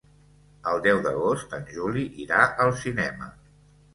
El deu d'agost en Juli irà al cinema.